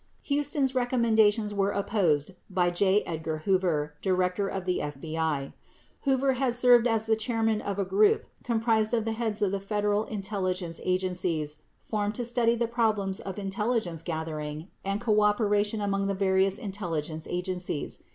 23 Huston's recommendations were opposed by J. Edgar Hoover, Director of the FBI. 24 Hoover had served as the chairman of a group comprised of the heads of the Federal intelligence agencies formed to study the problems of intelligence gathering and cooperation among the various intelligence agencies.